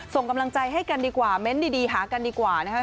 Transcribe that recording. ส่งกำลังใจให้กันดีกว่าเม้นต์ดีหากันดีกว่านะครับ